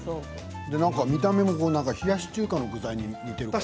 見た目も冷やし中華の具材に似ている。